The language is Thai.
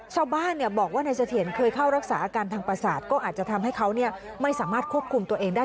ชาวบ้านบอกว่านายเสถียรเคยเข้ารักษาอาการทางประสาทก็อาจจะทำให้เขาไม่สามารถควบคุมตัวเองได้